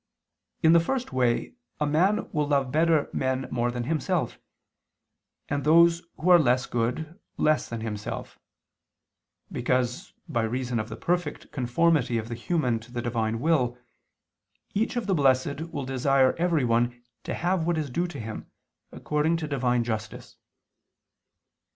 In the first way a man will love better men more than himself, and those who are less good, less than himself: because, by reason of the perfect conformity of the human to the Divine will, each of the blessed will desire everyone to have what is due to him according to Divine justice.